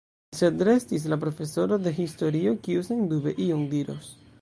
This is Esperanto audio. Sed restis la profesoro de historio, kiu sendube ion diros.